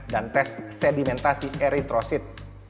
dan tes sedimentasi eritrosit